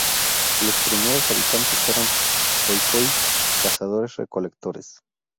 Los primeros habitantes eran khoikhoi cazadores recolectores.